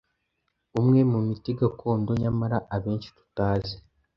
umwe mu miti gakondo nyamara abenshi tutazi,